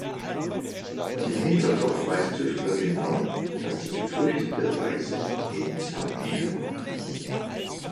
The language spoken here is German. Und im Hinterkopf weiß Tüftler genau, dass die gefürchtete „Reise“ jeden Tag näher kommt.